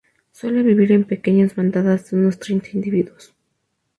Suele vivir en pequeñas bandadas de unos treinta individuos.